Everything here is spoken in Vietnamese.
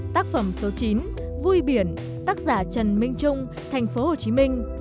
tác phẩm số chín vui biển tác giả trần minh trung tp hcm